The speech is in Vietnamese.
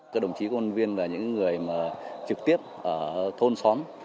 các đồng chí công an viên là những người trực tiếp ở thôn xóm